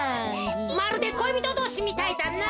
まるでこいびとどうしみたいだな。